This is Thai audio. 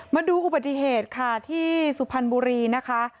มาดูอุบัติเหตุค่ะที่สุพรรณบุรีนะคะ